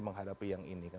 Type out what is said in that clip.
menghadapi yang ini